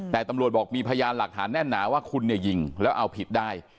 แต่ตำรวจบอกมีพยานหลักฐานแน่นหนาว่าคุณเนี่ยยิงแล้วเอาผิดได้